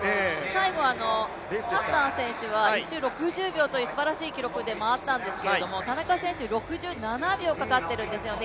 最後、ハッサン選手は１周６０秒というすばらしい記録であったんですけれども、田中選手６７秒かかっているんですよね。